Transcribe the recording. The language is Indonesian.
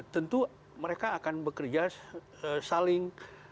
tentu mereka akan bekerja saling